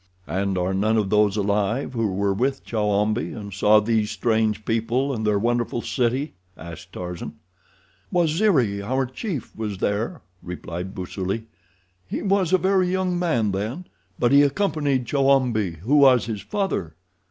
"And are none of those alive who were with Chowambi, and saw these strange people and their wonderful city?" asked Tarzan. "Waziri, our chief, was there," replied Busuli. "He was a very young man then, but he accompanied Chowambi, who was his father."